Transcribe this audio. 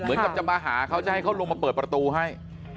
เหมือนกับจะมาหาเขาจะให้เขาลงมาเปิดประตูให้